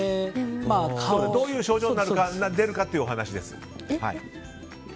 どういう症状が出るかというお話です。